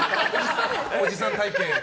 おじさん体形。